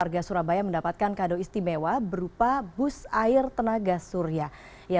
warga surabaya mendapatkan kado istimewa berupa bus air tenaga surya